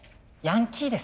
ヤンキー？